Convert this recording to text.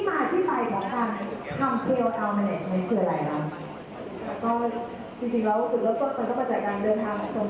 อารีย์อย่ามาอารีย์จะมีใครด้วยเถอะทุกคนรู้เรื่องจริง